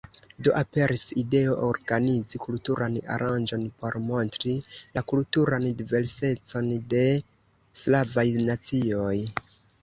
Do aperis ideo organizi kulturan aranĝon por montri la kulturan diversecon de slavaj nacioj.